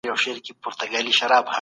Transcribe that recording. تاسو خپله دنده په سمه توګه ترسره کړئ.